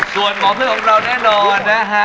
ส่วนหมอเพื่อนของเราแน่นอนนะฮะ